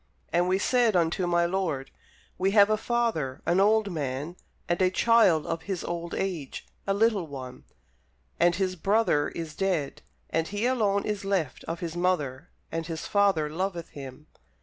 And we said unto my lord, We have a father, an old man, and a child of his old age, a little one; and his brother is dead, and he alone is left of his mother, and his father loveth him.